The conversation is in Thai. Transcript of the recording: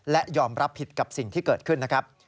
และยอมรับผิดกับสิ่งที่เกิดขึ้นนะครับ